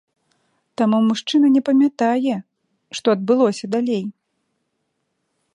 Таму мужчына не памятае, што адбылося далей.